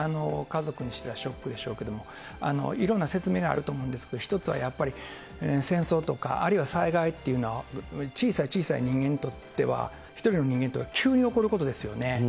家族にしてはショックでしょうけれども、いろんな説明があると思うんですけど、１つはやっぱり戦争とか、あるいは災害というのは、小さい小さい人間にとっては、一人の人間にとって急に起こることですよね。